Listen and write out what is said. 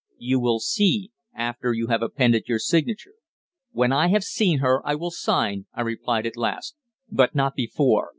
"You will see, after you have appended your signature." "When I have seen her I will sign," I replied at last; "but not before.